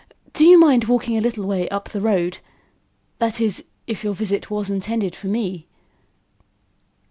Do you mind walking a little way up the road? That is, if your visit was intended for me."